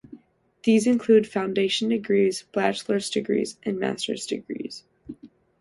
These include Foundation Degrees bachelor's degrees and master's degrees.